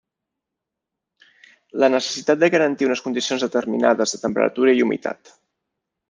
La necessitat de garantir unes condicions determinades de temperatura i humitat.